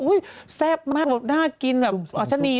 อุ๊ยแซ่บมากน่ากินอร่อยชะนี